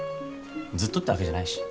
ずっとってわけじゃないし。